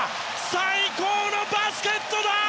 最高のバスケットだ！